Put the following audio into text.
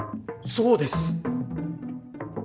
そうです！